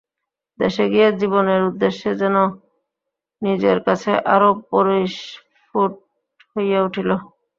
দেশে গিয়া জীবনের উদ্দেশ্য যেন নিজের কাছে আরও পরিস্ফুট হইয়া উঠিল।